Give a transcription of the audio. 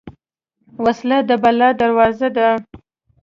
وسله د بلا دروازه ده